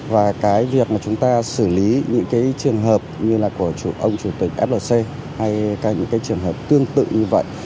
và cái việc mà chúng ta xử lý những cái trường hợp như là của chủ ông chủ tịch flc hay những cái trường hợp tương tự như vậy